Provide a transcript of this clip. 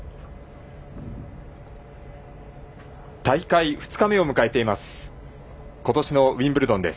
大会２日目を迎えています。